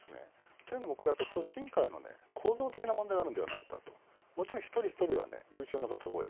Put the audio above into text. というのも、組織委員会の構造的な問題があるんではないかと。もちろん、一人ひとりは優秀な方が多い。